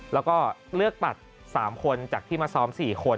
แล้วก็เลือกตัด๓คนจากที่มาซ้อม๔คน